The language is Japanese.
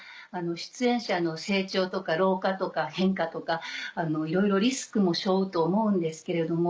出演者の成長とか老化とか変化とかいろいろリスクも背負うと思うんですけれども。